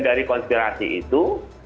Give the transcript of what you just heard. dari konspirasi itu